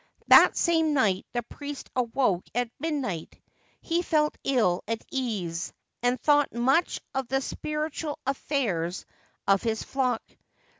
That same night the priest awoke at midnight ; he felt ill at ease, and thought much of the spiritual affairs of his flock.